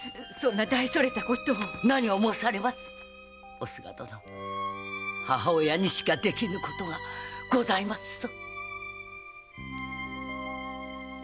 おすが殿母親にしかできぬことがございますぞ！